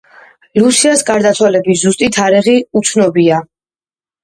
ლუსიას გარდაცვალების ზუსტი თარიღი უცნობია.